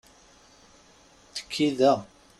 Tekki da.